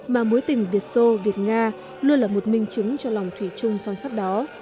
mà mối tình việt xô việt nga luôn là một mình trực tiếp